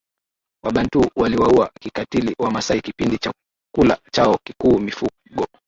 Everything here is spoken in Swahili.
Wabantu waliwaua kikatili Wamasai kipindi chakula chao kikuu mifugo